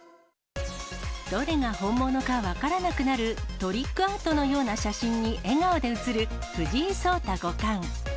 どれが本物か分からなくなる、トリックアートのような写真に笑顔で写る藤井聡太五冠。